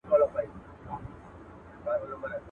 په دې مالت کي ټنګ ټکور وو اوس به وي او کنه.